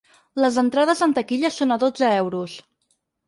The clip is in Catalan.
Les entrades en taquilla són a dotze euros.